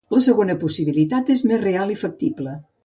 La segona possibilitat és més real i factible.